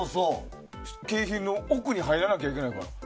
景品の奥に爪が入らないといけないから。